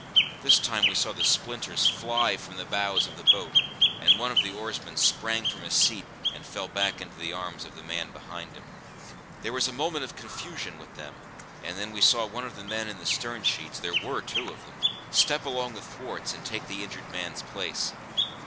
This time we saw the splinters fly from the bows of the boat, and one of the oarsmen sprang from his seat and fell back into the arms of the man behind him. There was a moment of confusion with them, and then we saw one of the men in the stern sheets (there were two of them) step along the thwarts and take the injured man's place.